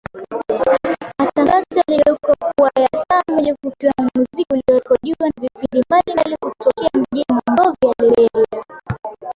Matangazo yaligeuka kuwa ya saa moja kukiwemo muziki uliorekodiwa na vipindi mbalimbali kutokea mjini Monrovia, Liberia